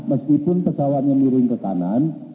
meskipun pesawatnya miring ke kanan